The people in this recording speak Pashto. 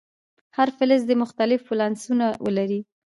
هر فلز دې مختلف ولانسونه ولري.